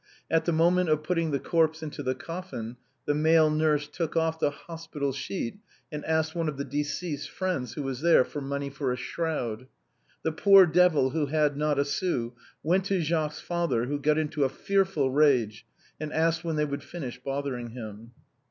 At the moment of petting the corpse into the coffin, the male nurse took off the hospital sheet, and asked one of the deceased's friends who was there for the money for a shroud. The poor devil, who had not a sou, went to 223 224 THE BOHEMIANS OF THE LATIN QUARTER. Jacques's father, who got into a fearful rage, and asked when they would finish bothering him.